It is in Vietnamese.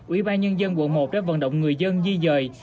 ủy ban nhân dân quận một đã vận động người dân di dời